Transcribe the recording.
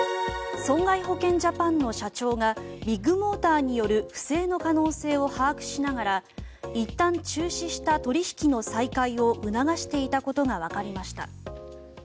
損害保険ジャパンの社長がビッグモーターによる不正の可能性を把握しながらいったん中止した取引の再開を促していたことがわかりました。